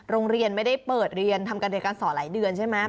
โรงเรียนไม่ได้เปิดเรียนทำการเรียนการสอนหลายเดือนใช่ไหม